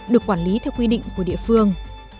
được quản lý theo quy định của địa phương